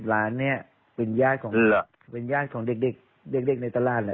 ๓๐ร้านเนี่ยเป็นญาติของเด็กในตลาดนะ